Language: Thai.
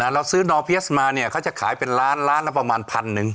เราซื้อนอยพีเอสมามันจะขายเป็นล้านล้านละประมาณพันหนึ่ง